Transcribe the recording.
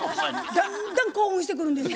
だんだん興奮してくるんですよ。